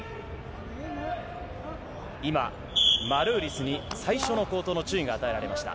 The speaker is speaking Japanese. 今、マルーリスに最初の口頭の注意が与えられました。